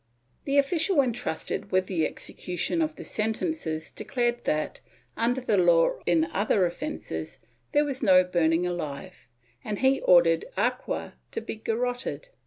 The official entrusted with the execution of the sentences declared that, under the law in other offences, there was no burning alive and he ordered Arquer to be garroted.